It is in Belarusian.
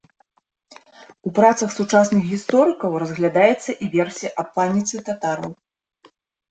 У працах сучасных гісторыкаў разглядаецца і версія аб паніцы татараў.